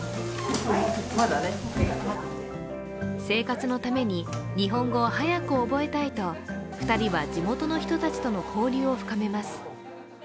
生活のために日本語を早く覚えたいと２人は地元の人たちとの交流を深めます。